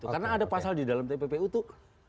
karena ada pasal di dalam tppu itu